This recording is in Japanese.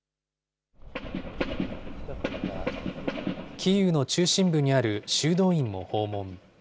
キーウの中心部にある修道院も訪問。